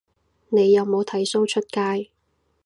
你有冇剃鬚出街